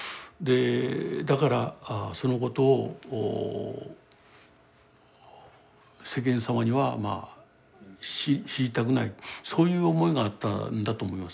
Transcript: だからそのことを世間様にはまあ知りたくないそういう思いがあったんだと思います。